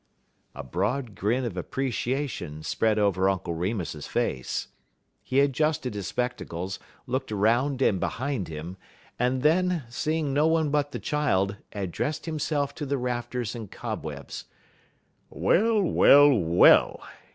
A broad grin of appreciation spread over Uncle Remus's face. He adjusted his spectacles, looked around and behind him, and then, seeing no one but the child, addressed himself to the rafters and cobwebs: "Well! well!